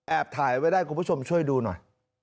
ถ่ายไว้ได้คุณผู้ชมช่วยดูหน่อย